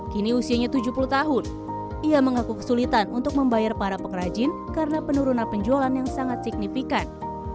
kini usianya tujuh puluh tahun ia mengaku kesulitan untuk membayar para pengrajin karena penurunan penjualan yang sangat signifikan